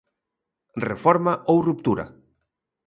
Reforma ou ruptura.